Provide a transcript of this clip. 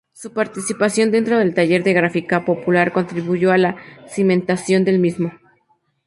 Su participación dentro del Taller de Gráfica Popular contribuyó a la cimentación del mismo.